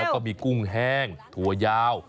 แล้วก็มีกุ้งแห้งถั่วยาว